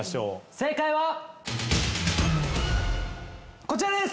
正解はこちらです！